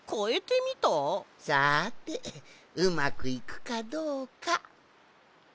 さてうまくいくかどうか。